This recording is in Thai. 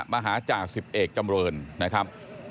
มาหาจ่าสิบเอกจำเรินนะครับ